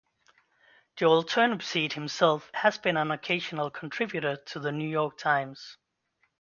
Joel Turnipseed himself has been an occasional contributor to the "New York Times".